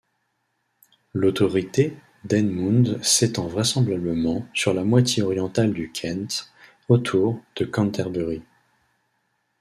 L'autorité d'Eanmund s'étend vraisemblablement sur la moitié orientale du Kent, autour de Canterbury.